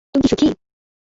তুমি কি সুখী?